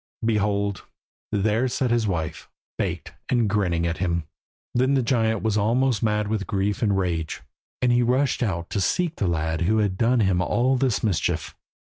Behold! there sat his wife, baked, and grinning at him. Then the giant was almost mad with grief and rage, and he rushed out to seek the lad who had done him all this mischief.